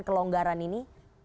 dan kelonggaran ini